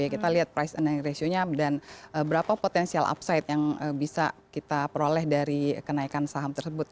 kita lihat price and ratio nya dan berapa potensial upside yang bisa kita peroleh dari kenaikan saham tersebut